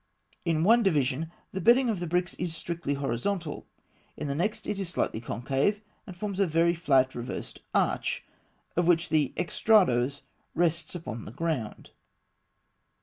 In one division the bedding of the bricks is strictly horizontal; in the next it is slightly concave, and forms a very flat reversed arch, of which the extrados rests upon the ground.